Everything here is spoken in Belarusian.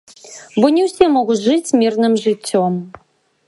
Бо не ўсе могуць жыць мірным жыццём.